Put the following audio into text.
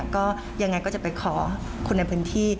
ก็ยังไงก็จะไปขอคนในพื้นที่